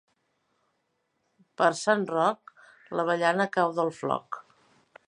Per sant Roc l'avellana cau del floc.